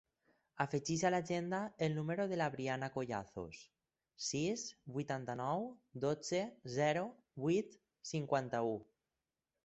Afegeix a l'agenda el número de la Brianna Collazos: sis, vuitanta-nou, dotze, zero, vuit, cinquanta-u.